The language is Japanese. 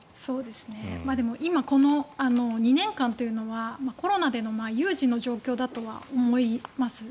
でも、今この２年間というのはコロナでの有事の状況だとは思います。